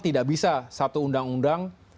tidak bisa satu undang undang